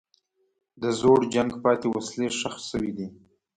د زوړ جنګ پاتې وسلې ښخ شوي دي.